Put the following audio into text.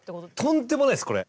とんでもないですこれ。